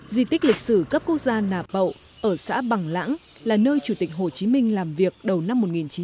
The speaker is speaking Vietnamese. di tích lịch sử cấp quốc gia nà bậu ở xã bằng lãng là nơi chủ tịch hồ chí minh làm việc đầu năm một nghìn chín trăm bảy mươi